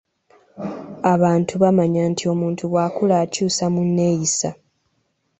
Abantu bamanya nti omuntu bw’akula akyusa mu nneeyisa.